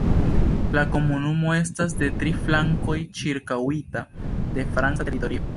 La komunumo estas de tri flankoj ĉirkaŭita de franca teritorio.